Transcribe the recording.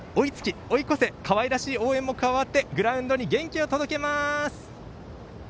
追いつき、追い越せかわいらしい応援も加わってグラウンドに元気を届けます！